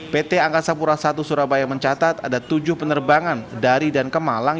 pt angkasa pura i surabaya mencatat ada tujuh penerbangan dari dan ke malang